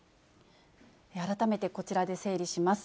改めてこちらで整理します。